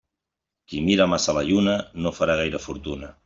Qui mira massa la lluna no farà gaire fortuna.